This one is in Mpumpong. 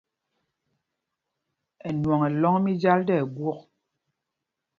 Ɛnwɔŋ lɔ́ŋ mí Jal tí ɛgwôk.